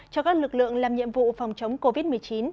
cho các lực lượng làm nhiệm vụ phòng chống covid một mươi chín